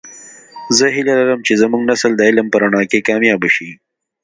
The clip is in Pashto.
زه هیله لرم چې زمونږنسل د علم په رڼا کې کامیابه شي